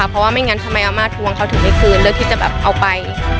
เพราะว่าไม่งั้นทำไมอาม่าทวงเขาถึงไม่คืนเลือกที่จะแบบเอาไป